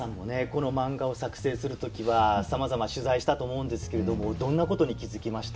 この漫画を作成する時はさまざま取材したと思うんですけれどもどんなことに気付きました？